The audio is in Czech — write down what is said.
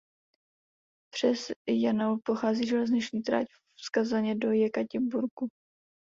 Přes Janaul prochází železniční trať z Kazaně do Jekatěrinburgu.